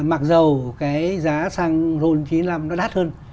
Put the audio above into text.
mặc dù cái giá sang road chín mươi năm nó đắt hơn